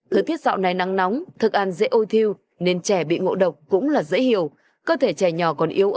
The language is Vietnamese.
thứ thiết dạo này nắng nóng thực ăn dễ ôi thiêu nên trẻ bị ngộ độc cũng là dễ hiểu